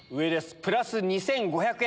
プラス２５００円。